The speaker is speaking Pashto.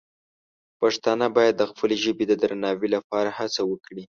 پښتانه باید د خپلې ژبې د درناوي لپاره هڅه وکړي.